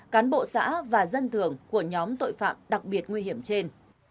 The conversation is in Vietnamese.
cán bộ xã và dân thường của nhóm tội phạm đặc biệt nguy hiểm trên